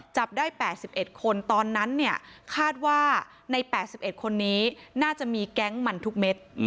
จับได้๘๑คนตอนนั้นเนี่ยคาดว่าใน๘๑คนนี้น่าจะมีแก๊งมันทุกเม็ด